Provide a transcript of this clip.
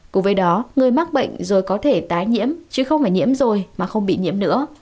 cùng với đó người mắc bệnh rồi có thể tái nhiễm chứ không phải nhiễm rồi mà không bị nhiễm nữa